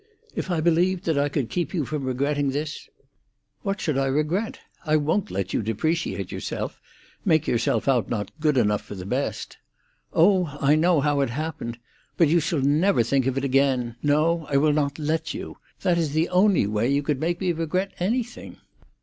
"If I believed that I could keep you from regretting this—" "What should I regret? I won't let you depreciate yourself—make yourself out not good enough for the best. Oh, I know how it happened! But now you shall never think of it again. No; I will not let you. That is the only way you could make me regret anything."